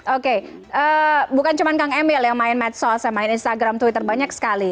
oke bukan cuma kang emil yang main medsos ya main instagram twitter banyak sekali